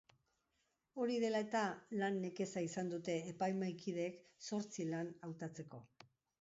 Hori dela eta, lan nekeza izan dute epaimahaikideek zortzi lan hautatzeko.